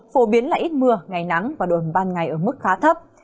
phổ biến là ít mưa ngày nắng và độ ban ngày ở mức khá thấp